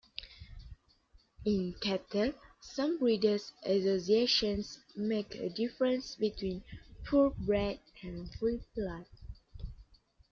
In cattle, some breeders associations make a difference between "purebred" and "full blood".